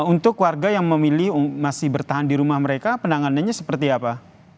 untuk warga yang memilih masih bertahan di rumah mereka penanganannya seperti apa